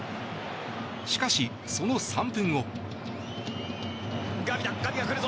しかし、その３分後。